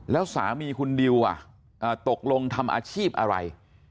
แล้วสามีคุณดิวตกลงทำอาชีพอะไร